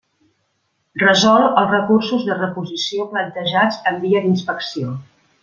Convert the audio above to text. Resol els recursos de reposició plantejats en via d'inspecció.